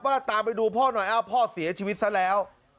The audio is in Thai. ตามไปดูพ่อหน่อยอ้าวพ่อเสียชีวิตซะแล้ว